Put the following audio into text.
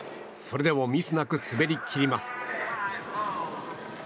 それでもミスなく滑り切ります。